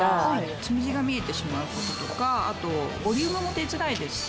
つむじが見えてしまう事とかあとボリュームも出づらいですし。